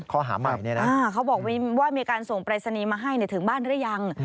ข้อหาใหม่เขาบอกว่ามีการส่งปรายศนีย์มาให้ถึงบ้านหรือยัง